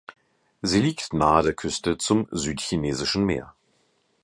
Sie liegt nahe der Küste zum Südchinesischen Meer.